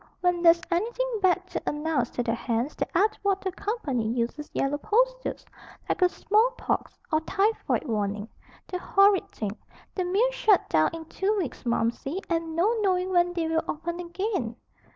When there's anything bad to announce to the hands the Atwater Company uses yellow posters, like a small pox, or typhoid warning. The horrid thing! The mills shut down in two weeks, Momsey, and no knowing when they will open again."